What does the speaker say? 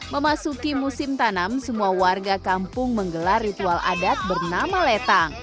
memasuki musim tanam semua warga kampung menggelar ritual adat bernama letang